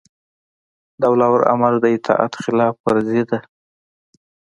د اولوامر د اطاعت خلاف ورزي ده